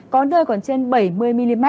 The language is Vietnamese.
có nơi còn trên bảy mươi mm